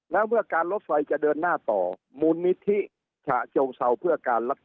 แล้วเมื่อการรถไฟจะเดินหน้าต่อมูลนิธิฉะเชิงเซาเพื่อการรักษา